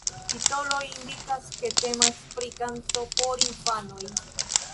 Titoloj indikas, ke temas pri kanto por infanoj.